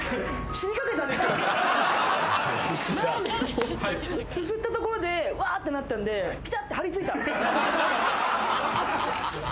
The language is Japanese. ラーメンをすすったところでわってなったんでぴたって張り付いた。